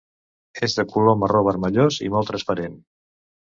És de color marró vermellós i molt transparent.